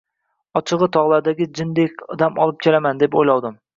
Ochigʼi, togʼlarda jindek dam olib kelaman, deb oʼylovdim.